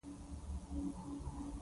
جګړه وطن ته ټپونه ورکوي